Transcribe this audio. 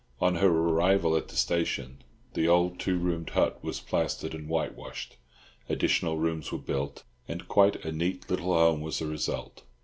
On her arrival at the station the old two roomed hut was plastered and whitewashed, additional rooms were built, and quite a neat little home was the result.